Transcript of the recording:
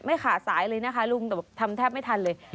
ไม่ขาสายเลยนะคะลุงทำแทบไม่ทันเลย